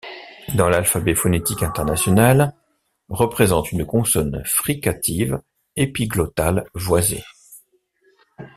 Dans l’alphabet phonétique international, représente une consonne fricative épiglottale voisée.